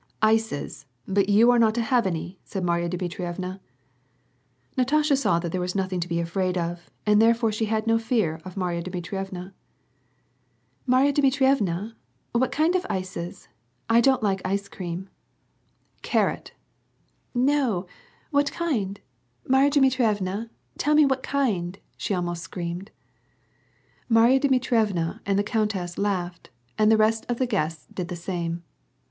"Ices; but you are not to have any," said Marya Dmi trievna. Natasha saw that there was nothing to be afraid of, and therefore she had no fear of Marya Dmitrievna. " Marya Dmitrievna I what kind of ices ? I don't like ice eiemm." "Carrot" 76 WAR AND PEACE. " No ! what kind ? Marya Dmitrievna, tell me wliat kind," she almost screamed. Marya Dmitrievna and the countess laughed, and the rest of the guests did the same.